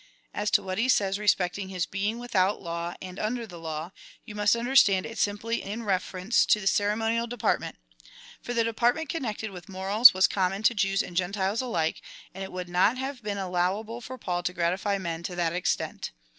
As to what he says respecting his being without law and under the law, you must under stand it simply in reference to the ceremonial dej^artment ; for the department, connected with morals was common to Jews and Gentiles alike, and it would not have been allow able for Paul to gratify men to that extent.